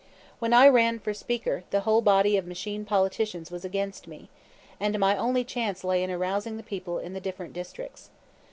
When I ran for Speaker, the whole body of machine politicians was against me, and my only chance lay in arousing the people in the different districts.